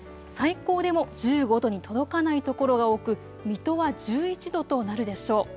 最高でも１５度に届かない所が多く水戸は１１度となるでしょう。